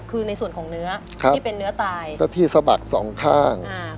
คือในส่วนของเนื้อที่เป็นเนื้อตายก็ที่สะบักสองข้าง